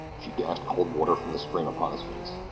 She dashed cold water from the spring upon his face.